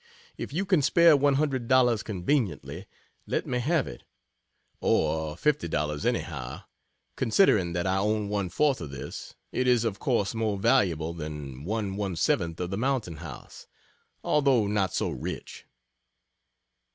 If you can spare $100 conveniently, let me have it or $50, anyhow, considering that I own one fourth of this, it is of course more valuable than one 1/7 of the "Mountain House," although not so rich....